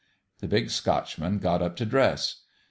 The Big Scotchman got up to dress.